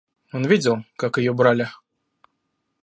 Он видел, как ее брали.